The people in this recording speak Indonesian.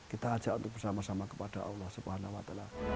kita ajak untuk bersama sama kepada allah swt